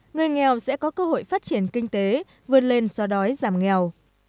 người nghèo sẽ có cơ hội phát triển kinh tế vươn lên xóa đói giảm nghèo